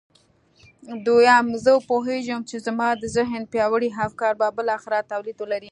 دويم زه پوهېږم چې زما د ذهن پياوړي افکار به بالاخره توليد ولري.